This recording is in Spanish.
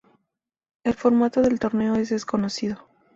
El formato del torneo es desconocido.